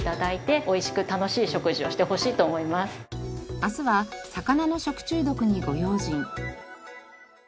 明日は魚の食中毒にご用心。